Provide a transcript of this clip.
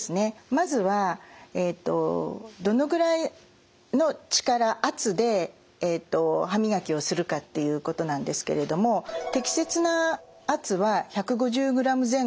まずはどのくらいの力圧で歯磨きをするかっていうことなんですけれども適切な圧は１５０ｇ前後といわれています。